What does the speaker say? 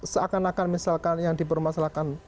seakan akan misalkan yang dipermasalahkan